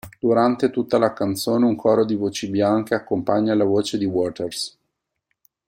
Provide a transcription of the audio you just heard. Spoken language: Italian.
Durante tutta la canzone un coro di voci bianche accompagna la voce di Waters.